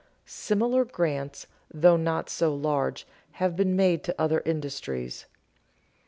Similar grants, though not so large, have been made to other industries.